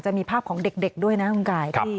จะมีภาพของเด็กด้วยนะคุณกาย